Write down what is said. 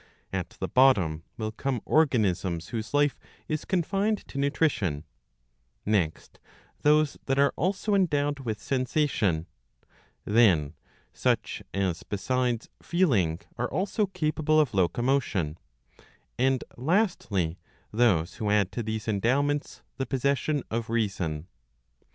At the bottom will come organisms whose life is ■confined to nutrition ; next, those that are also endowed with' sensation ; jthen, such as besides feeling are also capable oMocomotion ; and, lastly, jthose who add to these endowments the possession of^ reason.